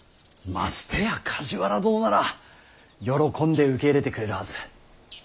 ましてや梶原殿なら喜んで受け入れてくれるはず。